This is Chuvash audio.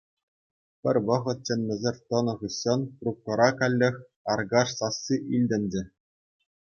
Пӗр вӑхӑт чӗнмесӗр тӑнӑ хыҫҫӑн трубкӑра каллех Аркаш сасси илтӗнчӗ.